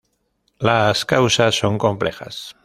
Las causas son complejas.